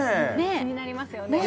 気になりますよね